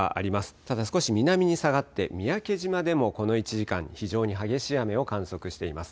ただ少し南に下がって三宅島でもこの１時間、非常に激しい雨を観測しています。